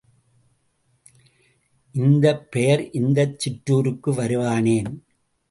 இந்தப் பெயர் இந்தச் சிற்றூருக்கு வருவானேன்?